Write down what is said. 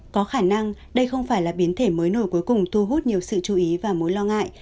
có khả năng đây không phải là biến thể mới nổi cuối cùng thu hút nhiều sự chú ý và mối lo ngại